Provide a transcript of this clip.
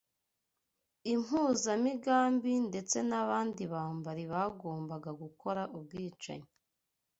Impuzamigambi ndetse n’abandi bambari bagombaga gukora ubwicanyi